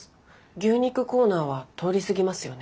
牛肉コーナーは通り過ぎますよね。